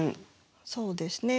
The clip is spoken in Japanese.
そうですね。